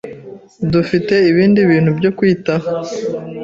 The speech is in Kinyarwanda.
Dufite ibindi bintu byo kwitaho.